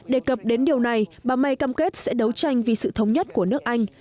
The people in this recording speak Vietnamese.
đề cập đến điều này bà may cam kết sẽ đấu tranh vì sự thống nhất của nước anh